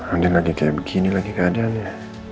andien lagi kayak begini lagi keadaan ya